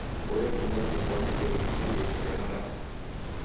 Orekunda w'ipwane eri w'ichurie kuja malagho.